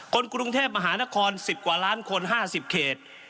คนกรุงเทพมหานคร๑๐กว่าล้านคน๕๐เขต